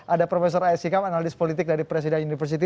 ada profesor aisyikam analis politik dari presiden universiti